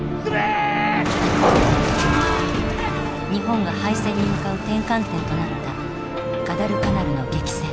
進め！日本が敗戦に向かう転換点となったガダルカナルの激戦。